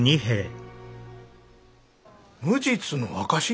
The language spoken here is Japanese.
「無実の証し」？